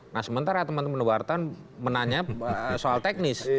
nah sementara teman teman wartawan menanya soal teknis